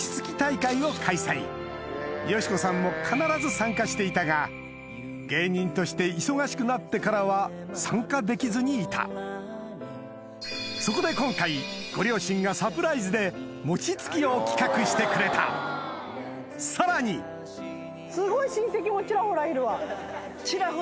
よしこさんも必ず参加していたが芸人として忙しくなってからは参加できずにいたそこで今回ご両親がサプライズで餅つきを企画してくれたさらにすごい。